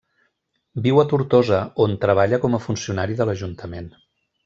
Viu a Tortosa, on treballa com a funcionari de l'ajuntament.